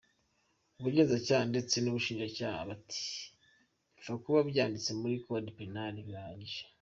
Ubugenzacyaha ndetse n’ubushinjacyaha bati bipfa kuba byanditse muri code penal, birahagije.